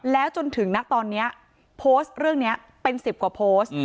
แล้วจนถึงณตอนนี้โพสต์เรื่องนี้เป็น๑๐กว่าโพสต์